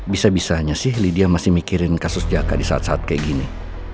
bisa bisanya sih lydia masih mikirin kasus jaka di saat saat kayak gini